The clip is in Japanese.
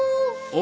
お？